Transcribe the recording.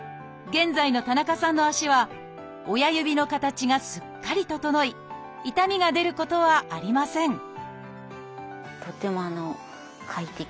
現在の田中さんの足は親指の形がすっかり整い痛みが出ることはありません